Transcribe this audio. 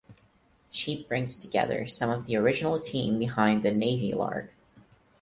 She brings together some of the original team behind "The Navy Lark".